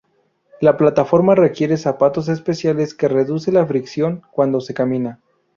La plataforma requiere zapatos especiales que reducen la fricción cuando se camina.